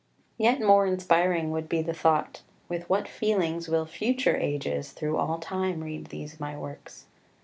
3 Yet more inspiring would be the thought, With what feelings will future ages through all time read these my works?